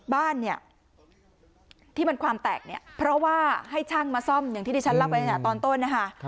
บ้านเนี่ยที่มันความแตกเนี่ยเพราะว่าให้ช่างมาซ่อมอย่างที่ที่ฉันเล่าไปตั้งแต่ตอนต้นนะคะ